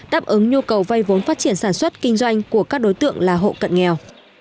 đáp ứng nhu cầu vay vốn phát triển sản xuất kinh doanh của các đối tượng là hộ cận nghèo